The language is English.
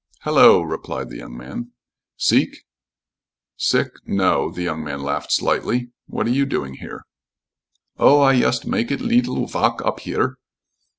"Hallo!" replied the young man. "Seek?" "Sick? No." The young man laughed slightly. "What are you doing here?" "Oh, I yust make it leetle valk up here."